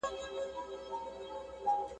د خپلواکۍ سلمه کاليزه به په شاندارو مراسمو لمانځو.